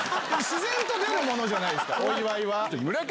自然と出るものじゃないですか。